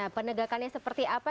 penegakannya seperti apa